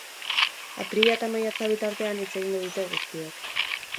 Apirila eta maiatza bitartean hitz egingo dute guztiek.